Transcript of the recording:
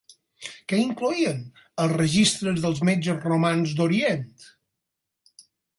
Què incloïen els registres dels metges romans d'Orient?